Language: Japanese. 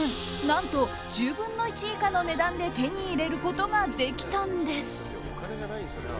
何と１０分の１以下の値段で手に入れることができたんです。